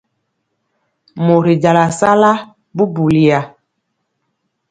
Mori jala sala bubuliya.